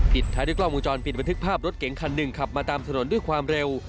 ท้ายด้วยกล้องวงจรปิดบันทึกภาพรถเก๋งคันหนึ่งขับมาตามถนนด้วยความเร็ว